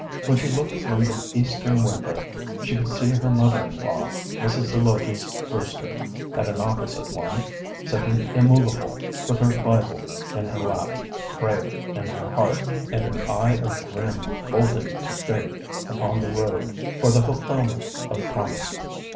When she looked from the eastern window she could see her mother in law, Mrs. Zelotes Brewster, at an opposite one, sitting immovable, with her Bible in her lap, prayer in her heart, and an eye of grim holding to faith upon the road for the fulfilment of promise.